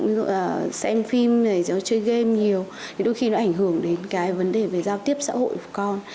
ví dụ là xem phim chơi game nhiều thì đôi khi nó ảnh hưởng đến cái vấn đề về giao tiếp xã hội của con